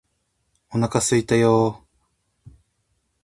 お腹すいたよーー